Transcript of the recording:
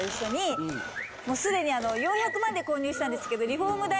もう既に４００万で購入したんですけど。